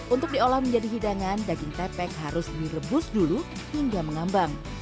untuk diolah menjadi hidangan daging tepek harus direbus dulu hingga mengambang